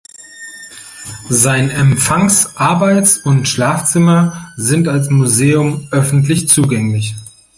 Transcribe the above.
Sein Empfangs-, Arbeits- und Schlafzimmer sind als Museum öffentlich zugänglich.